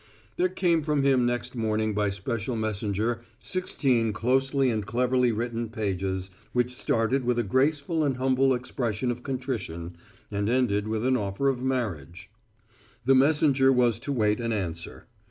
There came from him next morning by special messenger sixteen closely and cleverly written pages, which started with a graceful and humble expression of contrition and ended with an offer of marriage. The messenger was to wait an answer.